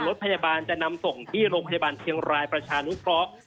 รถพยาบาลจะนำส่งที่โรงพยาบาลเชียงรายประชานุเคราะห์